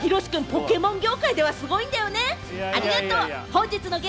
博くん、ポケモン業界ではすごいんだよね。